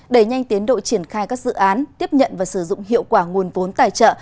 đẩy nhanh tiến độ triển khai các dự án tiếp nhận và sử dụng hiệu quả nguồn vốn tài trợ